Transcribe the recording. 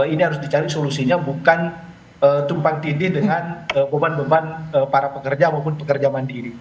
ini harus dicari solusinya bukan tumpang tindih dengan beban beban para pekerja maupun pekerja mandiri